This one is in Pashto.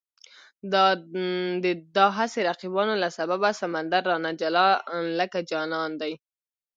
د دا هسې رقیبانو له سببه، سمندر رانه جلا لکه جانان دی